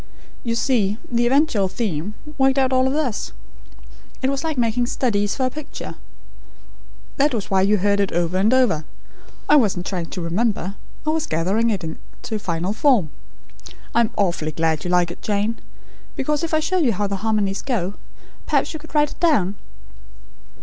You see the eventual theme, worked out of all this. It was like making studies for a picture. That was why you heard it over and over. I wasn't trying to remember. I was gathering it into final form. I am awfully glad you like it, Jane; because if I show you how the harmonies go, perhaps you could write it down.